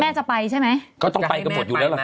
แม่จะไปใช่ไหม